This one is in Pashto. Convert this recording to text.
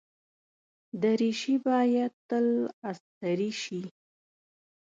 دریشي باید تل استری شي.